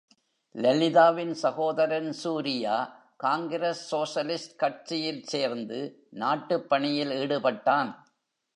லலிதாவின் சகோதரன் சூரியா காங்கிரஸ் சோஷலிஸ்ட் கட்சியில் சேர்ந்து நாட்டுப் பணியில் ஈடுபட்டான்.